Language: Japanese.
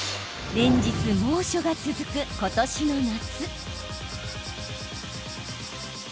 連日、猛暑が続く今年の夏。